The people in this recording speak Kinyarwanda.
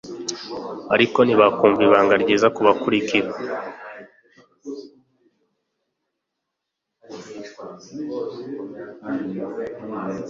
Ariko ntibakumva ibanga ryiza kubakurikira